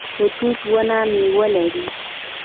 د توت ونه میوه لري